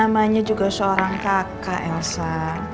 namanya juga seorang kakak elsa